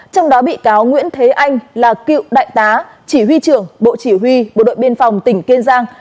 trong đó bị cáo nguyễn thế anh là cựu đại tá chỉ huy trưởng bộ chỉ huy bộ đội biên phòng tỉnh kiên giang